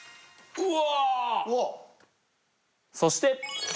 うわ。